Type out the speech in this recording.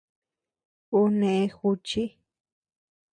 Ú neʼë juchi.